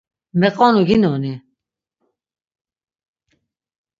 Meqonu ginoni?